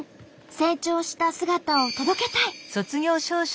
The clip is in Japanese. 成長した姿を届けたい。